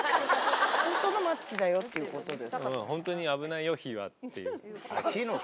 本当のマッチだよっていうことですか？